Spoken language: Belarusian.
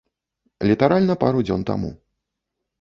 Літаральна пару дзён таму.